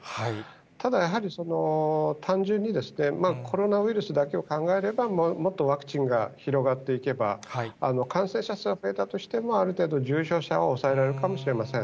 ただやはり、単純にコロナウイルスだけを考えれば、もっとワクチンが広がっていけば、感染者数は増えたとしても、ある程度、重症者を抑えられるかもしれません。